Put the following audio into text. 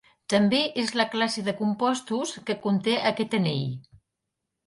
També és la classe de compostos que conté aquest anell.